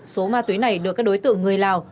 số ma túy này được các đối tượng người lào